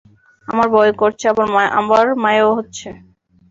আমার ভয় করছে, আবার মায়াও হচ্ছে।